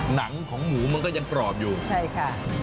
หนังของหมูมันก็ยังกรอบอยู่ใช่ค่ะ